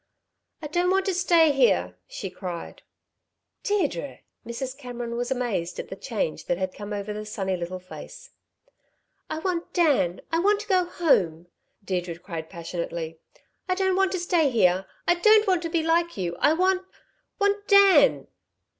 "I don't want to stay here!" she cried. "Deirdre!" Mrs. Cameron was amazed at the change that had come over the sunny, little face. "I want Dan! I want to go home," Deirdre cried passionately. "I don't want to stay here. I don't want to be like you! I want want Dan."